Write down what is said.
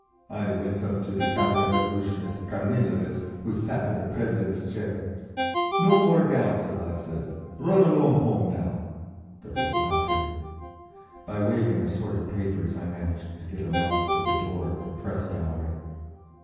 I went up to the counter revolutionist Kornilovitz who sat in the president's chair. 'No more Council,' I says. 'Run along home now!'" There was laughter. By waving assorted papers I managed to get around to the door of the press gallery.